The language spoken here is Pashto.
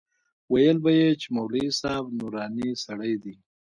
ويل به يې چې مولوي صاحب نوراني سړى دى.